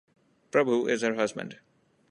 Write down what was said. Prabhu is her husband.